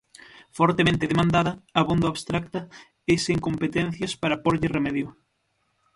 Fortemente demandada, abondo abstracta e sen competencias para pórlle remedio.